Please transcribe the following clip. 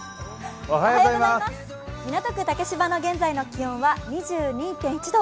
港区竹柴の現在の気温は２２．１度。